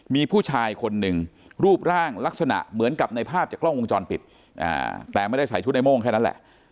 มีผู้ชายคนหนึ่งรูปร่างลักษณะเหมือนกับในภาพจากกล้องวงจรปิดแต่ไม่ได้ใส่ชุดในโม่งแค่นั้นแหละ